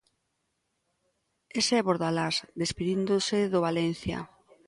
Ese é Bordalás despedíndose do Valencia.